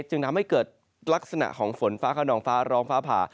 จึงทำให้เกิดลักษณะของฝนฟ้าขนองฟ้าร้องฟ้าผ่า